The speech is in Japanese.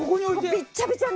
びっちゃびちゃになる。